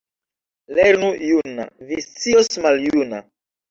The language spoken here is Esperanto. Lernu juna — vi scios maljuna.